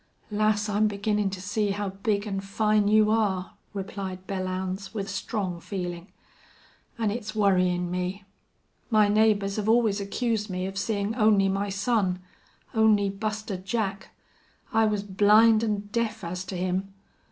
"Lass, I'm beginnin' to see how big an' fine you are," replied Belllounds, with strong feeling. "An' it's worryin' me.... My neighbors hev always accused me of seein' only my son. Only Buster Jack! I was blind an' deaf as to him!...